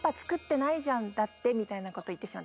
「だって」みたいなこと言ってしまった。